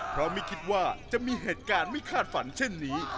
เพราะไม่คิดว่าจะมีเหตุการณ์ไม่คาดฝันเช่นนี้